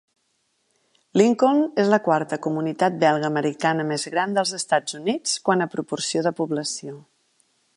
Lincoln és la quarta comunitat belga americana més gran dels Estats Units, quant a proporció de població